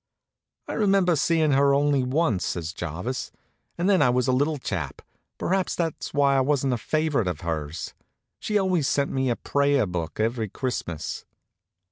"I remember seeing her only once," says Jarvis, "and then I was a little chap. Perhaps that's why I was such a favorite of hers. She always sent me a prayer book every Christmas."